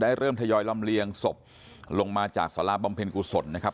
เริ่มทยอยลำเลียงศพลงมาจากสาราบำเพ็ญกุศลนะครับ